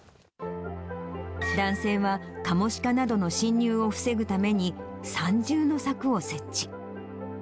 男性は、カモシカなどの侵入を防ぐために、三重の柵を設置。